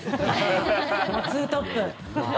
このツートップ。